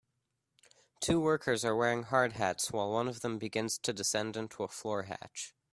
Two workers are wearing hard hats while one of them begins to descend into a floor hatch.